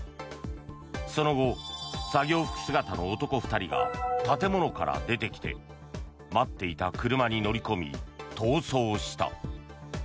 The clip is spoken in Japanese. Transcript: その後、作業服姿の男２人が建物から出てきて待っていた車に乗り込み逃走した。